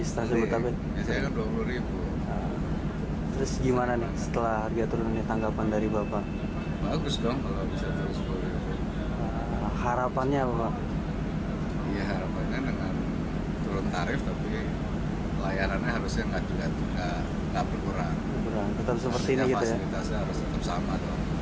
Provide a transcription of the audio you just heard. fasilitasnya harus tetap sama